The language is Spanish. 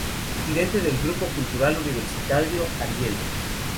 Presidente del grupo cultural universitario 'Ariel'.